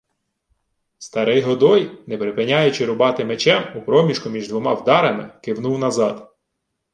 Старий Годой, не припиняючи рубати мечем, у проміжку між двома вдарами кивнув назад: